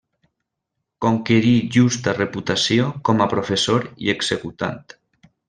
Conquerí justa reputació com a professor i executant.